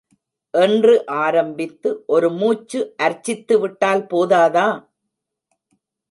என்று ஆரம்பித்து ஒரு மூச்சு அர்ச்சித்து விட்டால் போதாதா?